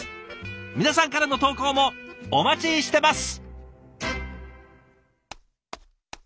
皆さんからの投稿もお待ちしてます！